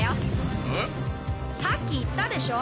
さっき言ったでしょ？